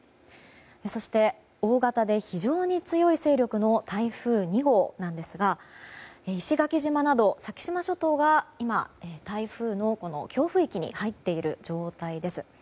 そして大型で非常に強い勢力の台風２号なんですが、石垣島など先島諸島が今、台風の強風域に入っている状態です。